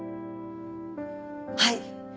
はい。